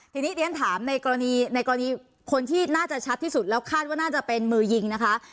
ทีนี้เรียนถามในกรณีในกรณีคนที่น่าจะชัดที่สุดแล้วคาดว่าน่าจะเป็นมือยิงนะคะ